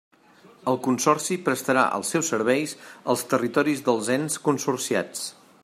El Consorci prestarà els seus serveis als territoris dels ens consorciats.